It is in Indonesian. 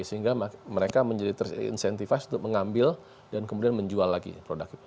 sehingga mereka menjadi terincentivied untuk mengambil dan kemudian menjual lagi produk itu